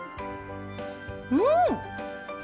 うん！